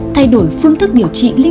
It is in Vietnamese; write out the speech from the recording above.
thay đổi phương thức điều trị